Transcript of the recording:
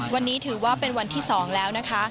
วันนี้ถือว่าเป็นวันที่๒แล้วนะคะ